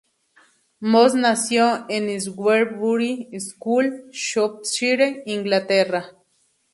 Moss nació en Shrewsbury School, Shropshire, Inglaterra.